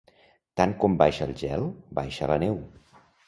Tant com baixa el gel, baixa la neu.